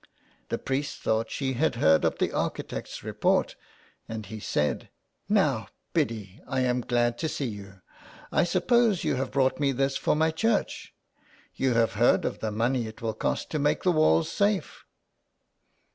The priest thought she had heard of the architect's report, and he said —'' Now, Biddy, I am glad to see you. I suppose you have brought me this for my church. You have heard of the money it will cost to make the walls safe."